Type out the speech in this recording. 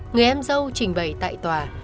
người em dâu trình bày tại tòa